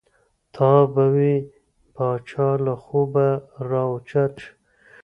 تا به وې پاچا له خوبه را او چت شو.